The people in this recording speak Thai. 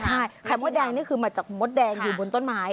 ใช่ไข่มดแดงนี่คือมาจากมดแดงอยู่บนต้นไม้